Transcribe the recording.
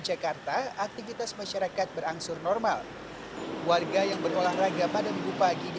jakarta aktivitas masyarakat berangsur normal warga yang berolahraga pada minggu pagi di